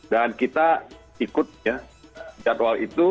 dan kita ikut ya jadwal itu